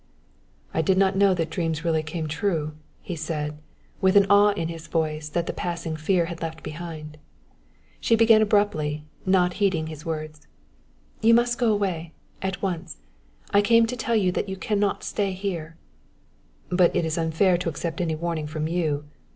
"I did not know that dreams really came true," he said, with an awe in his voice that the passing fear had left behind. She began abruptly, not heeding his words. "You must go away at once I came to tell you that you can not stay here." "But it is unfair to accept any warning from you!